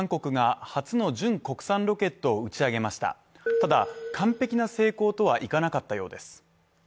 ただ、完璧な成功とはいかなかったようです。